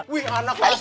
wih anak kelas tiga